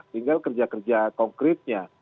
tinggal kerja kerja konkretnya